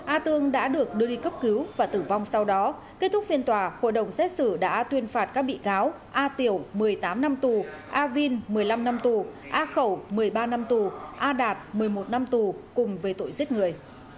a tương đã được đưa đi cấp cứu và tử vong sau đó kết thúc phiên tòa hội đồng xét xử đã tuyên phạt các bị cáo a tiểu một mươi tám năm tù a vin một mươi năm năm tù a khẩu một mươi ba năm tù a đạt một mươi một năm tù cùng về tội giết người